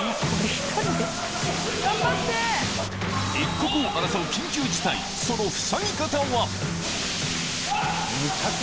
一刻を争う緊急事態そのわっ！